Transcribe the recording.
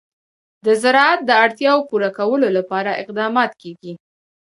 د زراعت د اړتیاوو پوره کولو لپاره اقدامات کېږي.